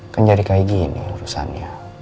kan jadi kayak gini urusannya